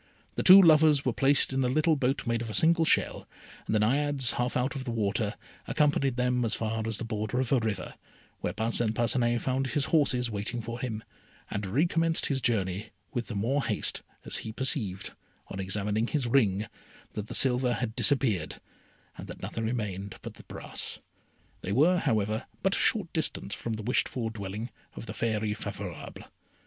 The two lovers were placed in a little boat made of a single shell, and the Naiades, half out of the water, accompanied them as far as the border of a river, where Parcin Parcinet found his horses waiting for him, and recommenced his journey with the more haste, as he perceived, on examining his ring, that the silver had disappeared, and that nothing remained but the brass; they were, however, but a short distance from the wished for dwelling of the Fairy Favourable.